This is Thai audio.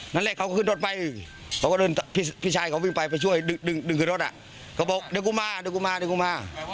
นี่นะคะ